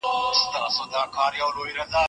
د نارنج ګل مشاعرې کي شاعرانو شعرونه ویل.